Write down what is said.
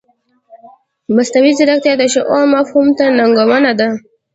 مصنوعي ځیرکتیا د شعور مفهوم ته ننګونه ده.